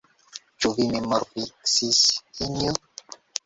Ĉu vi memorfiksis, Injo?